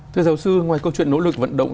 thưa giáo sư ngoài câu chuyện nỗ lực vận động